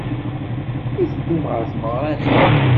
I teddum ɣer tmeɣra-nni?